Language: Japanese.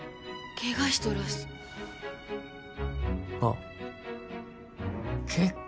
ケガしとらすあっ結婚？